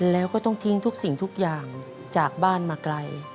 แล้วก็ต้องทิ้งสิ่งสิ่งอย่างบ้านมาไกล